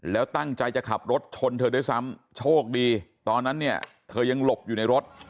แล้วตั้งใจจะขับรถชนเธอด้วยซ้ำโชคดีตอนนั้นเนี่ยเธอยังหลบอยู่ในรถ